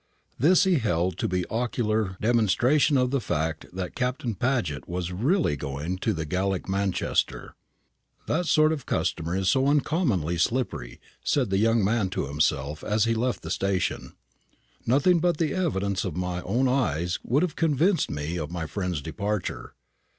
This he held to be ocular demonstration of the fact that Captain Paget was really going to the Gallic Manchester. "That sort of customer is so uncommonly slippery," the young man said to himself as he left the station; "nothing but the evidence of my own eyes would have convinced me of my friend's departure.